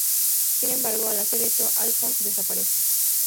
Sin embargo, al hacer eso, Alphonse desaparece.